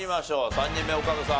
３人目岡部さん